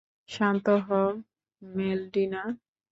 শান্ত হও, মেলিন্ডা।